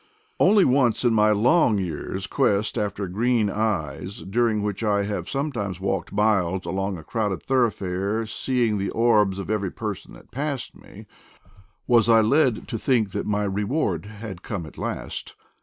Once only in my long years ' quest after green eyes, during which I have sometimes walked miles along a crowded thoroughfare seeing the orbs of every person that passed me, was I led to think that my reward had come at last.